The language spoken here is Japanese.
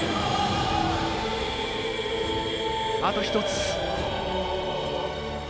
あと１つ。